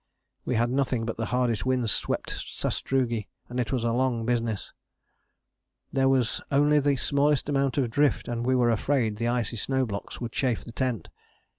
We had nothing but the hardest wind swept sastrugi, and it was a long business: there was only the smallest amount of drift, and we were afraid the icy snow blocks would chafe the tent.